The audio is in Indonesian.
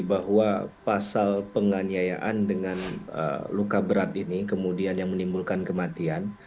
bahwa pasal penganiayaan dengan luka berat ini kemudian yang menimbulkan kematian